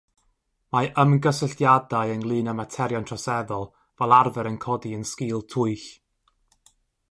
Mae ymgysylltiadau ynglŷn â materion troseddol fel arfer yn codi yn sgîl twyll.